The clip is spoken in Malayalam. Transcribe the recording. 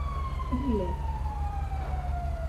ഇല്ലേ